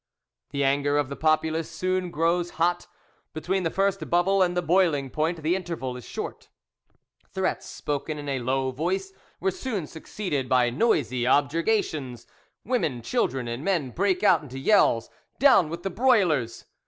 The anger of the populace soon grows hot; between the first bubble and the boiling point the interval is short. Threats spoken in a low voice were soon succeeded by noisy objurgations. Women, children, and men brake out into yells, "Down with the broilers!"